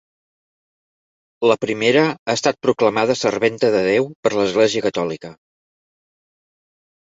La primera ha estat proclamada serventa de Déu per l'Església catòlica.